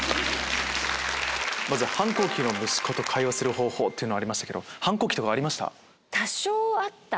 まず反抗期の息子と会話する方法っていうのありましたけど反抗期とかありました？